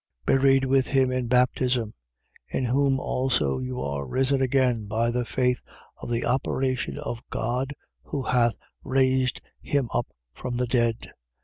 2:12. Buried with him in baptism: in whom also you are risen again by the faith of the operation of God who hath raised him up from the dead.